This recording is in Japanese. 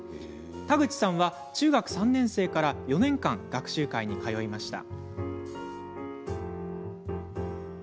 田口さんは中学３年生から４年間学習会に通いました。